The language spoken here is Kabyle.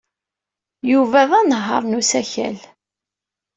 Yuba d anehhaṛ n usakal.